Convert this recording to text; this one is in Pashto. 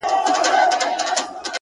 مثبت ذهن د امکاناتو په لټه وي